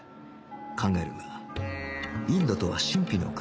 考えるんだインドとは神秘の国